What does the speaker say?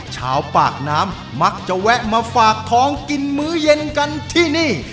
ชาวปากน้ำมักจะแวะมาฝากท้องกินมื้อเย็นกันที่นี่